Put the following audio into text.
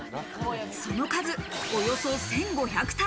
その数およそ１５００体。